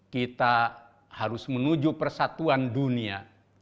kita harus menuju persatuan dunia